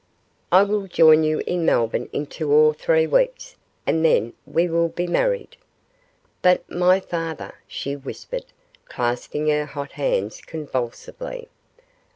I will join you in Melbourne in two or three weeks, and then we will be married.' 'But my father,' she whispered, clasping her hot hands convulsively.